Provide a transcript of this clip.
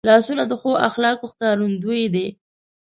لاسونه د ښو اخلاقو ښکارندوی دي